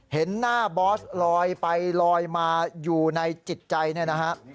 เห็นหน้าบอสลอยไปลอยมาอยู่ในจิตใจเนี่ยนะฮะ